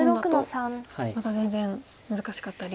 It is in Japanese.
また全然難しかったり。